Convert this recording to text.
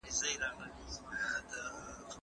ايا ته تکړښت کوې